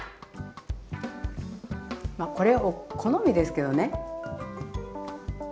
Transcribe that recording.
これは好みですけどね。